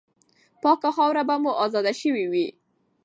پاکه خاوره به مو آزاده سوې وه.